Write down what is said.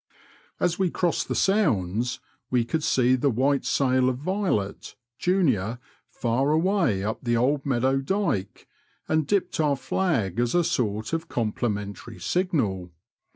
As we crossed the Sounds we could see the white sail of Violet, junior, far away up the Old Meadow Dyke, and dipped our flag as a sort of complimentary signal.